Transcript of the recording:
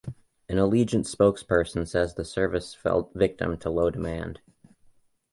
An Allegiant spokesperson says the service fell victim to low demand.